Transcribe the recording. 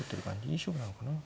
いい勝負なのかな。